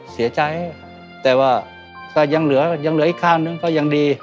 เสียใจแต่ว่าก็ยังเหลือยังเหลืออีกข้างนึงก็ยังดี